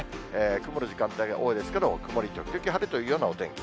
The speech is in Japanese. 曇る時間帯が多いですけれども、曇り時々晴れというようなお天気。